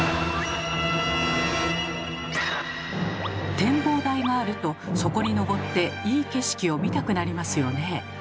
展望台があるとそこにのぼっていい景色を見たくなりますよねえ。